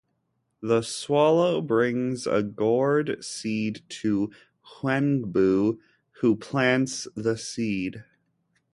The swallow brings a gourd seed to Heungbu, who plants the seed.